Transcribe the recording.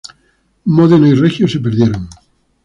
Módena y Reggio se perdieron.